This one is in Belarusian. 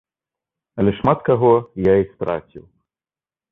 Але шмат каго я і страціў.